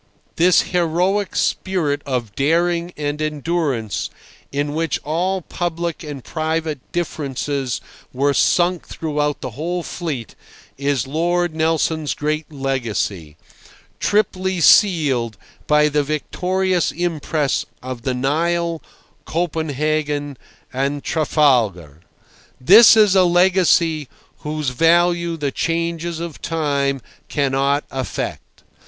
This heroic spirit of daring and endurance, in which all public and private differences were sunk throughout the whole fleet, is Lord Nelson's great legacy, triply sealed by the victorious impress of the Nile, Copenhagen, and Trafalgar. This is a legacy whose value the changes of time cannot affect.